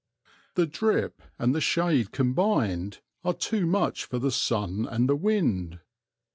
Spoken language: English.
The drip and the shade combined are too much for the sun and the wind.